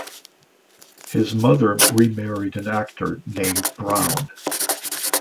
His mother remarried an actor named Brown.